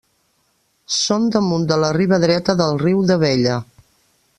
Són damunt de la riba dreta del riu d'Abella.